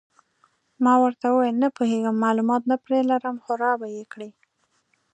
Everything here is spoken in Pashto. ما ورته وویل: نه پوهېږم، معلومات نه پرې لرم، خو را به یې کړي.